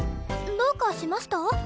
どうかしました？